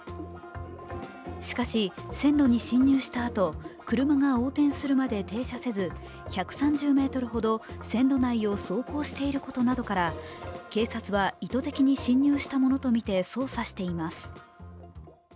しかし、線路に進入したあと車が横転するまで停車せず１３０ｍほど線路内を走行していることなどから警察は意図的に進入したものとみて捜査しています。